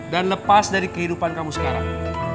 dan lepas dari kehidupan kamu sekarang